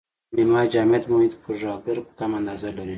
نیمه جامد محیط پوډراګر په کمه اندازه لري.